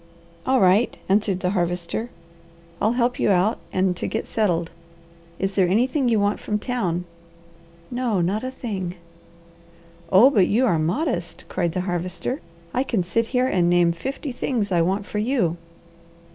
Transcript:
"All right!" answered the Harvester. "I'll help you out and to get settled. Is there anything you want from town?" "No, not a thing!" "Oh but you are modest!" cried the Harvester. "I can sit here and name fifty things I want for you."